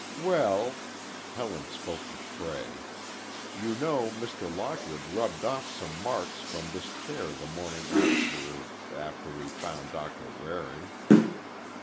"Well," Helen spoke to Cray, "you know Mr. Lockwood rubbed off some marks from this chair the morning after—after we found Doctor Waring."